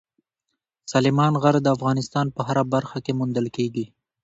سلیمان غر د افغانستان په هره برخه کې موندل کېږي.